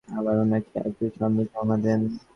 শেখ জামালের মাধ্যমে আপুসি পরে আবারও নাকি একই সনদ জমা দেন।